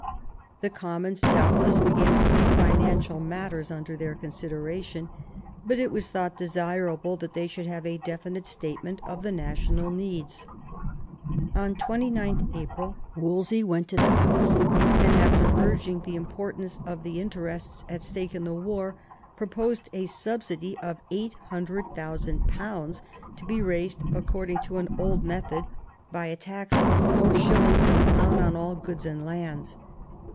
The Commons doubtless began to take financial matters under their consideration, but. it was thought desirable that they should have a definite statement of the national needs. On 29th April Wolsey went to the House, and after urging the importance of the interests at stake in the war, proposed a subsidy of £800,000, to be raised according to an old method, by a tax of four 104 THOMAS WOLSEY ohap. shillings in the pound on all goods and lands.